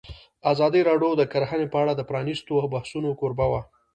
ازادي راډیو د کرهنه په اړه د پرانیستو بحثونو کوربه وه.